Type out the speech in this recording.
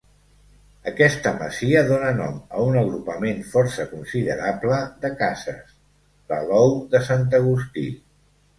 Aquesta masia dóna nom a un agrupament força considerable de cases, l'Alou de Sant Agustí.